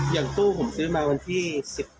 อย่างตู้ผมซื้อมาวันที่๑๘